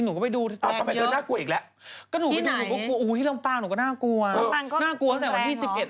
น่าไม่ดูแปอ้ะอันดับจิ๊ฉันกลัวเถิ่ง